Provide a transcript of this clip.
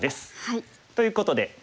ということで。